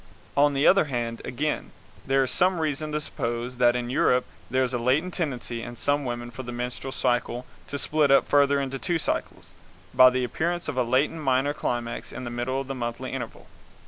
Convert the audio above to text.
On the other hand, again, there is some reason to suppose that in Europe there is a latent tendency in some women for the menstrual cycle to split up further into two cycles, by the appearance of a latent minor climax in the middle of the monthly interval.